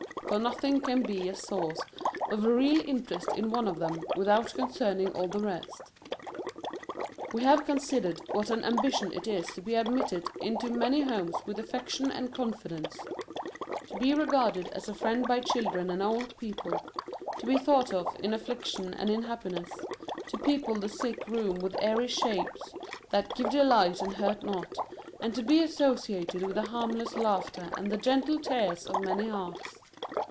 For nothing can be a source of real interest in one of them, without concerning all the rest. We have considered what an ambition it is to be admitted into many homes with affec tion and confidence ; to be regarded as a friend by children and old people; to be thought of in affliction and in happiness ; to people the sick room with aiiy shapes ' that give delight and hurt not,' and to be associated with the harmless laughter and the gentle tears of many hearths.